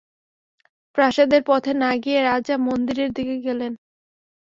প্রাসাদের পথে না গিয়া রাজা মন্দিরের দিকে গেলেন।